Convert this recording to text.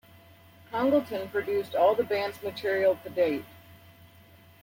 Congleton produced all the band's material to date.